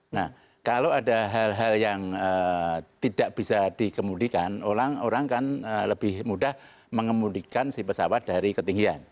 nah kalau ada hal hal yang tidak bisa dikemudikan orang kan lebih mudah mengemudikan si pesawat dari ketinggian